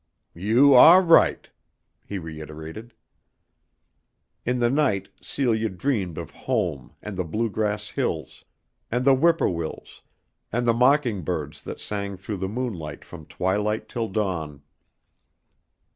"You ah right," he reiterated. In the night Celia dreamed of home and the blue grass hills and the whip poor wills and the mocking birds that sang through the moonlight from twilight till dawn.